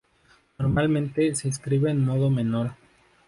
Normalmente se escribe en modo menor.